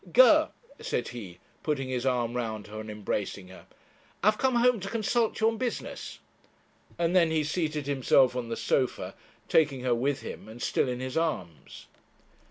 'Ger,' said he, putting his arm round her and embracing her 'I have come home to consult you on business;' and then he seated himself on the sofa, taking her with him, and still in his arms.